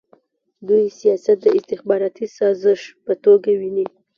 دوی سیاست د استخباراتي سازش په توګه ویني.